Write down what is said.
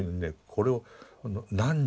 これを「汝」